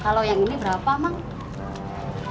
kalau yang ini berapa mang